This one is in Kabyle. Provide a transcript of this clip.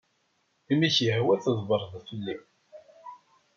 Imi i ak-yehwa tḍbbreḍ fell-i.